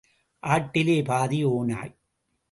ஆட்டிலே பாதி ஓநாய்.